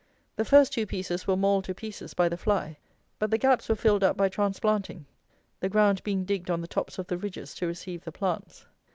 The first two pieces were mauled to pieces by the fly; but the gaps were filled up by transplanting, the ground being digged on the tops of the ridges to receive the plants.